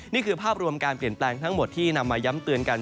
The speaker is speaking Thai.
นี่คือภาพรวมการเปลี่ยนแปลงทั้งหมดที่นำมาย้ำเตือนกัน